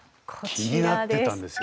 気になってたんですよ。